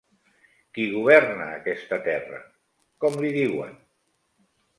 Qui governa aquesta terra? Com li diuen?